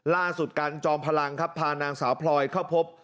กันจอมพลังครับพานางสาวพลอยเข้าพบ